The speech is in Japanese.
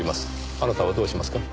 あなたはどうしますか？